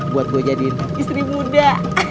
buat gue jadi istri muda